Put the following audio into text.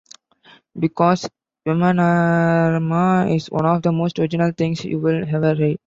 Because Vimanarama is one of the most original things you will ever read.